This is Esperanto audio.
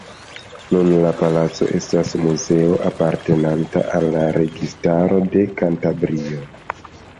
Nun la palaco estas muzeo apartenanta al la Registaro de Kantabrio.